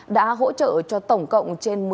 đã hỗ trợ cho tổng cộng trên một mươi ba triệu